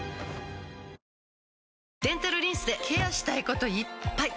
デンタルリンスでケアしたいこといっぱい！